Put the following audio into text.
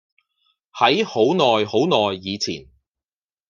喺好耐好耐以前